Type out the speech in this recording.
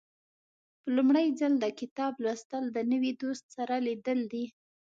په لومړي ځل د کتاب لوستل د نوي دوست سره لیدل دي.